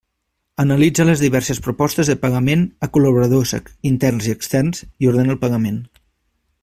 Analitza les diverses propostes de pagament a col·laboradors interns i externs i ordena el pagament.